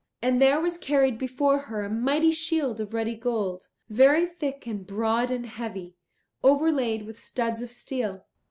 And there was carried before her a mighty shield of ruddy gold, very thick and broad and heavy, overlaid with studs of steel.